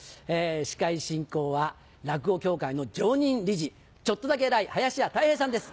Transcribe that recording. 司会進行は落語協会の常任理事ちょっとだけ偉い林家たい平さんです